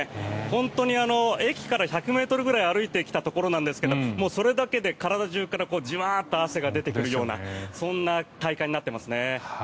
本当に駅から１００ｍぐらい歩いてきたところなんですがもうそれだけで体中からじわっと汗が出てくるようなそんな体感になっています。